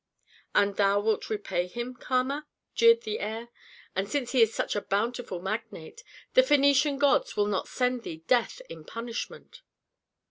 "And thou wilt repay him, Kama?" jeered the heir. "And since he is such a bountiful magnate, the Phœnician gods will not send thee death in punishment."